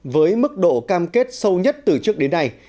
với mức độ cam kết sâu nhất từ trước đến nay